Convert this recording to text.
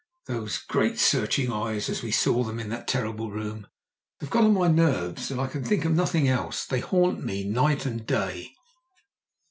Those great, searching eyes, as we saw them in that terrible room, have got on my nerves, and I can think of nothing else. They haunt me night and day!"